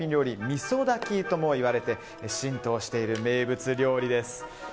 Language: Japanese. みそ炊きともいわれて浸透している名物料理です。